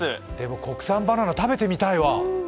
国産バナナ食べてみたいわ。